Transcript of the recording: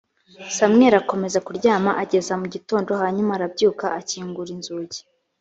samweli akomeza kuryama ageza mu gitondo hanyuma arabyuka akingura inzugi